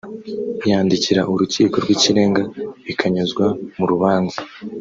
yandikira Urukiko rw’ Ikirenga bikanyuzwa mu rubanza